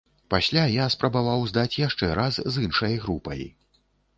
Пасля я спрабаваў здаць яшчэ раз з іншай групай.